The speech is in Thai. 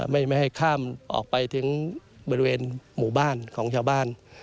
ไม่ให้ข้ามออกไปถึงบริเวณหมู่บ้านของชาวบ้าน